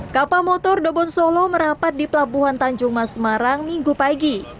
kapal motor dobon solo merapat di pelabuhan tanjung mas semarang minggu pagi